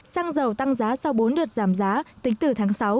xăng dầu tăng giá sau bốn đợt giảm giá tính từ tháng sáu